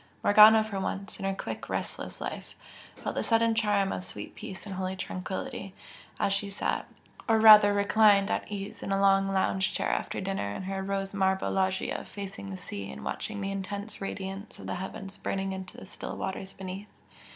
Morgana, for once in her quick restless life, felt the sudden charm of sweet peace and holy tranquility, as she sat, or rather reclined at ease in a long lounge chair after dinner in her rose marble loggia facing the sea and watching the intense radiance of the heavens burning into the still waters beneath.